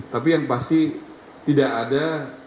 tapi yang pasti tidak ada